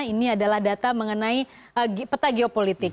ini adalah data mengenai peta geopolitik